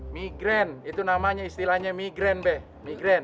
migren itu namanya istilahnya migren be migren